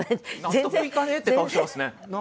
納得いかねえって顔してますね。